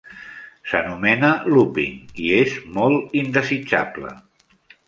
S'anomena "looping" i és molt indesitjable.